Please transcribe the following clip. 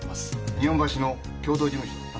日本橋の共同事務所だったな？